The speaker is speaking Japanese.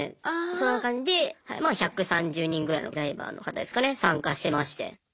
そんな感じでまあ１３０人ぐらいのライバーの方ですかね参加してまして。